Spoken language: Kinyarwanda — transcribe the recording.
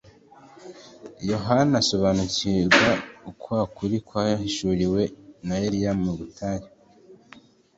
Yohana asobanukirwa kwa kuri kwahishuwe na Eliya mu butayu.